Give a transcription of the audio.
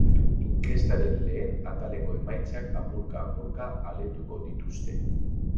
Inkestaren lehen ataleko emaitzak apurka apurka aletuko dituzte.